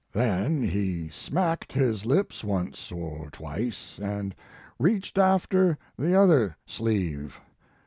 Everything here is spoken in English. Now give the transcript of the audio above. Then he smacked his lips once or twice, and reached after the other sleeve.